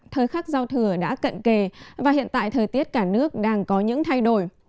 thời khắc giao thừa đã cận kề và hiện tại thời tiết cả nước đang có những thay đổi